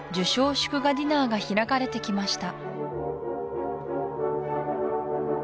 祝賀ディナーが開かれてきました